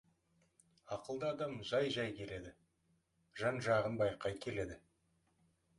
Ақылды адам жай-жай келеді, жан-жағын байқай келеді.